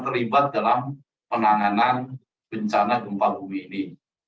terlibat dalam penanganan bencana gempa bumi ini